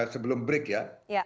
sebelum break ya